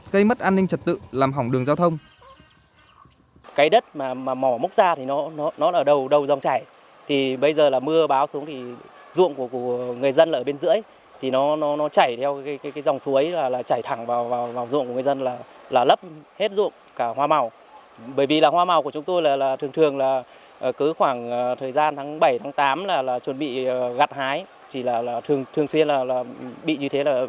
gây mất an ninh trật tự làm hỏng đường giao thông